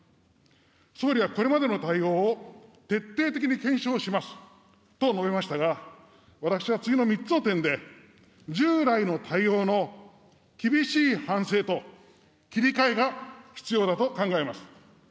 総理はこれまでの対応を徹底的に検証しますと述べましたが、私は次の３つの点で、従来の対応の厳しい反省と、切り替えが必要だと考えます。